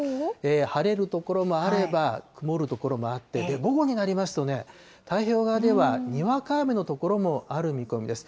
晴れる所もあれば、曇る所もあって、午後になりますとね、太平洋側ではにわか雨の所もある見込みです。